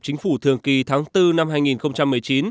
chính phủ thường kỳ tháng bốn năm hai nghìn một mươi chín